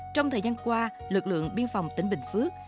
trong thời gian qua lực lượng biên phòng tỉnh bình phước